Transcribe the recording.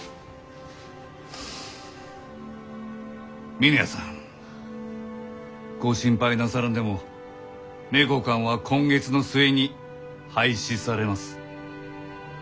峰屋さんご心配なさらんでも名教館は今月の末に廃止されます。